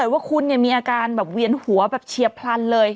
วิธีการแบบเวียนหัวแบบเชียบพลันเลย